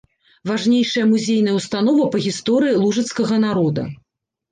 Важнейшая музейная ўстанова па гісторыі лужыцкага народа.